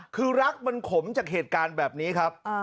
คือรักมันขมจากเหตุการณ์แบบนี้ครับ